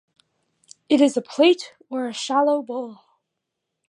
It is a plate or shallow bowl.